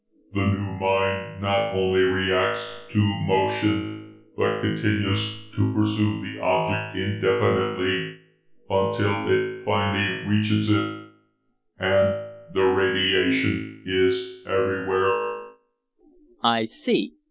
The new mine not only reacts to motion, but continues to pursue the object indefinitely, until it finally reaches it. And the radiation is everywhere." "I see."